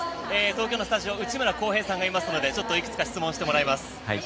東京のスタジオ内村航平さんがいますのでいくつか質問してもらいます。